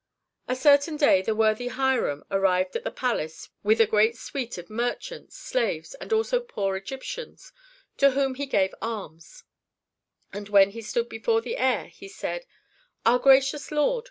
A certain day the worthy Hiram arrived at the palace with a great suite of merchants, slaves, and also poor Egyptians to whom he gave alms, and when he stood before the heir, he said, "Our gracious lord!